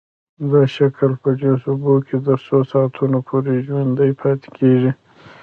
دا شکل په جوش اوبو کې تر څو ساعتونو پورې ژوندی پاتې کیږي.